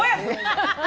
ハハハ。